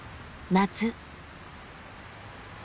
夏。